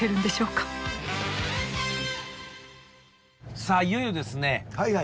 さあいよいよですね